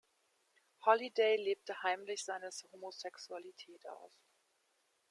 Holiday lebte heimlich seine Homosexualität aus.